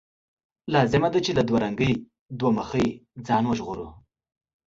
لازمه ده چې له دوه رنګۍ، دوه مخۍ ځان وژغورو.